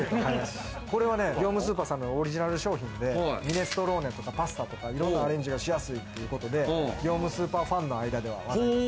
これは業務スーパーさんのオリジナル商品で、ミネストローネとかパスタとか、いろんなアレンジがしやすいということで業務スーパーファンの間では話題。